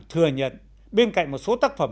thừa nhận bên cạnh một số tác phẩm